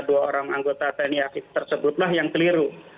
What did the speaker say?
dua orang anggota tni aktif tersebutlah yang keliru